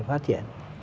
và phát triển